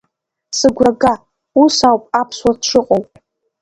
Сыгәра га, ус ауп аԥсуа дшыҟоу!